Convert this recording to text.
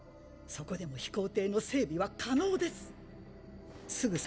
そこでも飛行艇の整備は可能です。